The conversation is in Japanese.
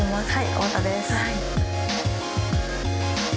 太田です。